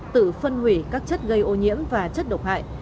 tự phân hủy các chất gây ô nhiễm và chất độc hại